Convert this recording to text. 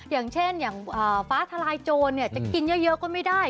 อย่างเช่นอย่างฟ้าทลายโจรจะกินเยอะก็ไม่ได้